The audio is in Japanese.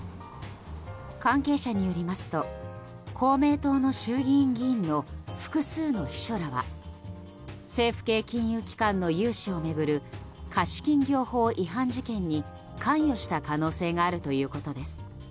関係者によりますと公明党の衆議院議員の複数の秘書らは政府系金融機関の融資を巡る貸金業法違反事件に関与した可能性があるということです。